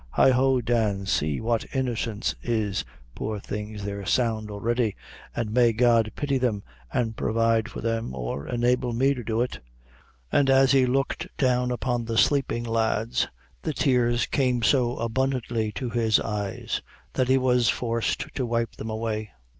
Heighho, Dan, see what innocence is poor things, they're sound already an' may God pity them an' provide for them, or enable me to do it!" And as he looked down upon the sleeping lads, the tears came so abundantly to his eyes, that he was forced to wipe them away.